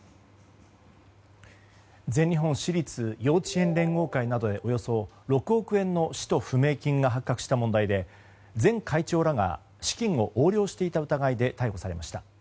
全日本私立幼稚園連合会などでおよそ６億円の使途不明金が発覚した問題で前会長らが資金を横領していた疑いで逮捕されました。